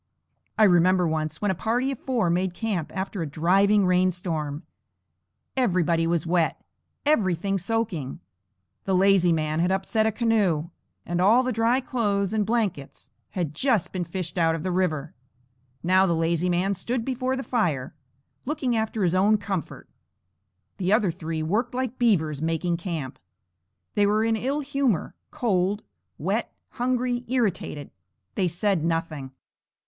I remember once when a party of four made camp after a driving rain storm. Everybody was wet; everything soaking. The lazy man had upset a canoe, and all the dry clothes and blankets had just been fished out of the river. Now the lazy man stood before the fire, looking after his own comfort. The other three worked like beavers, making camp. They were in ill humor, cold, wet, hungry, irritated. They said nothing.